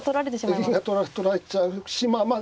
銀が取られちゃうしまあまあ